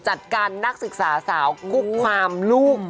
จัดการนักศึกษาสาวคุกความลูก